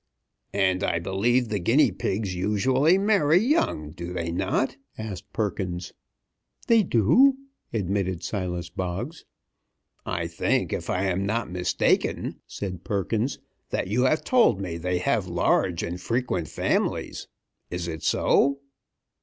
"And I believe the guinea pigs usually marry young, do they not?" asked Perkins. "They do," admitted Silas Boggs. "I think, if I am not mistaken," said Perkins, "that you have told me they have large and frequent families. Is it so?"